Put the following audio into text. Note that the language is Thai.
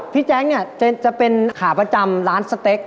แจ๊คเนี่ยจะเป็นขาประจำร้านสเต็ก